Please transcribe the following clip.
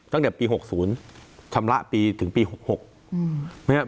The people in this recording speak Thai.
ตั้งแต่ปี๖๐ชำระปีถึงปี๖๖